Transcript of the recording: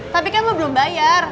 tapi kan lo belum bayar